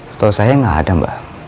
setahu saya nggak ada mbak